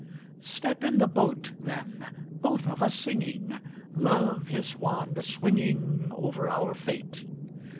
Step in the boat, then both of us singing, Love his wand swinging Over our fate.